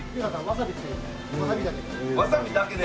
わさびだけで。